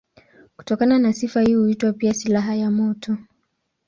Kutokana na sifa hii huitwa pia silaha ya moto.